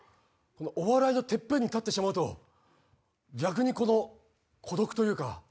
お笑いのてっぺんに立ってしまうと逆に孤独というか。